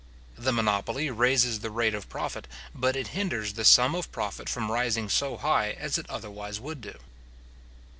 The monopoly raises the rate of profit, but it hinders the sum of profit from rising so high as it otherwise would do.